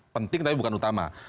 penting tapi bukan utama